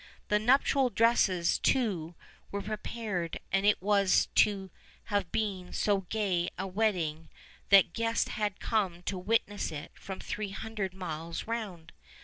The nuptial dresses too were prepared, and it was to have been so gay a wedding that guests had come to witness it from three hundred miles round.